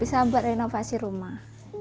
bisa buat inovasi rumah